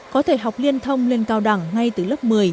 có thể học liên thông lên cao đẳng ngay từ lớp một mươi